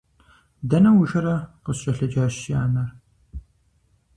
Дэнэ ужэрэ? – къыскӀэлъыджащ си анэр.